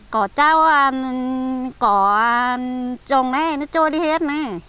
cỏ châu cỏ trồng đấy nó trôi đi hết